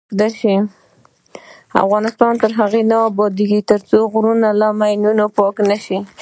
افغانستان تر هغو نه ابادیږي، ترڅو غرونه له ماینونو پاک نشي.